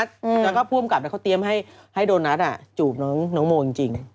แล้วก็ผู้อำกับเขาเตรียมให้โดนัทจูบน้องโมจริง